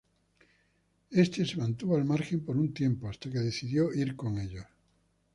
Este se mantuvo al margen por un tiempo hasta que decidió ir con ellos.